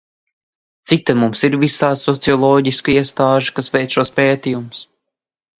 Cik tad mums ir visādu socioloģisko iestāžu, kas veic šos pētījumus?